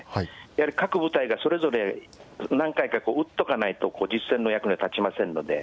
やはり各部隊がそれぞれ何回か撃っとかないと、実戦の役には立ちませんので。